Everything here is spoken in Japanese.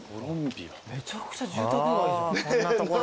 めちゃくちゃ住宅街じゃん。